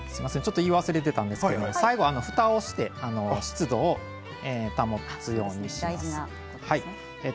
言い忘れていたんですが最後はふたをして湿度を保つようにします。